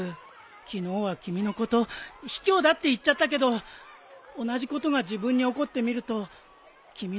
昨日は君のことひきょうだって言っちゃったけど同じことが自分に起こってみると君の気持ちが分かったよ。